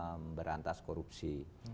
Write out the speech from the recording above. memang bisa memberantas korupsi